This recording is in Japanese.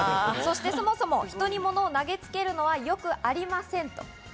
そして、そもそも人に物を投げつけるのはよくありません。